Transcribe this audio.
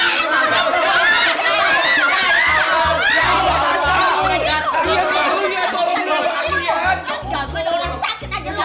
enggak gue ada orang sakit aja lo